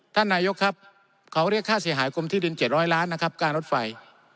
ท่านนายกครับเขาเรียกค่าเสียหายกรมที่ดิน๗๐๐ล้านนะครับการรถไฟ